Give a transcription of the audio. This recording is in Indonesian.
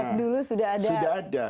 jadi sejak dulu sudah ada